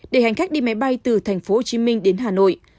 để hành khách đi máy bay từ tp hcm đến hà nội